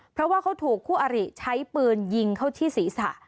เพราะว่าเขาถูกคู่อริใช้ปืนยิงเข้าที่ศีรษะ